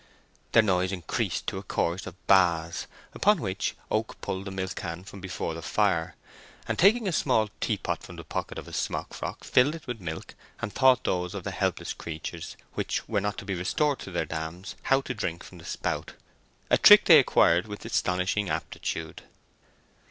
Their noise increased to a chorus of baas, upon which Oak pulled the milk can from before the fire, and taking a small tea pot from the pocket of his smock frock, filled it with milk, and taught those of the helpless creatures which were not to be restored to their dams how to drink from the spout—a trick they acquired with astonishing aptitude.